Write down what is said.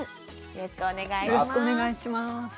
よろしくお願いします。